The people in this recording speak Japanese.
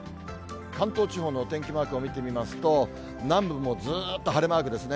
関東地方のお天気マークを見てみますと、南部もずーっと晴れマークですね。